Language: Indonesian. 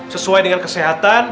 sesuai dengan kesehatan